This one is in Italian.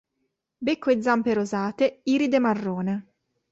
Becco e zampe rosate, iride marrone.